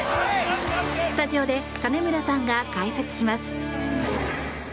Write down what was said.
スタジオで金村さんが解説します。